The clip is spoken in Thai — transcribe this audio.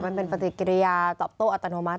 มันเป็นปฏิกิริยาตอบโต้อัตโนมัติ